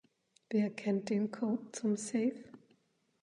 Wer kennt den Code zum Safe?